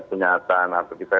penda horas anda ke bawah